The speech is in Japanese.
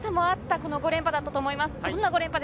この５連覇だったと思います。